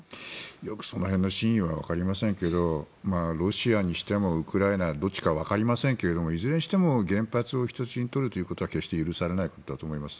よくその辺の真意はわかりませんけれどロシアにしてもウクライナどっちかわかりませんがいずれにしても原発を人質に取ることは決して許されないことだと思います。